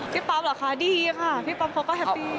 ป๊อปเหรอคะดีค่ะพี่ป๊อปเขาก็แฮปปี้